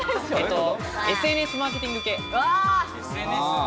ＳＮＳマーケティング系。